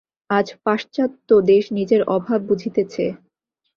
আজ পাশ্চাত্য দেশ নিজের অভাব বুঝিতেছে।